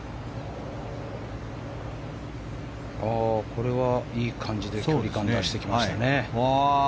これはいい感じで距離感出してきましたね。